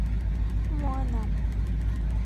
Муынам...